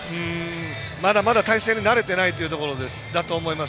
まだまだ対戦に慣れてないというところだと思います。